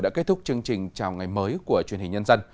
đã kết thúc chương trình chào ngày mới của truyền hình nhân dân